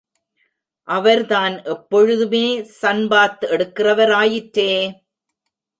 அவர்தான் எப்பொழுதுமே sun bath எடுக்கிறவர் ஆயிற்றே.